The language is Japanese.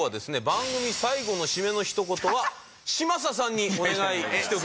番組最後の締めの一言は嶋佐さんにお願いしておきます。